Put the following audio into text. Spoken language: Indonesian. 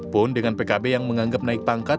pun dengan pkb yang menganggap naik pangkat